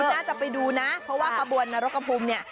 น่าจะไปดูนะเพราะว่าขบวนนรกกระภูมิเนี่ย